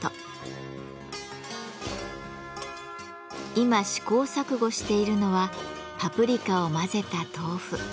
今試行錯誤しているのはパプリカを混ぜた豆腐。